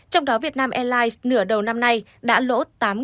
trong đó việt nam airlines nửa đầu năm nay đã lỗ